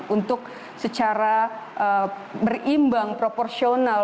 untuk secara berimbang proporsional